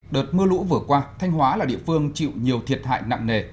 đợt mưa lũ vừa qua thanh hóa là địa phương chịu nhiều thiệt hại nặng nề